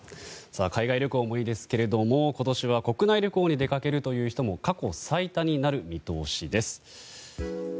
海外旅行もいいですが今年は国内旅行に出かけるという人も過去最多になる見通しです。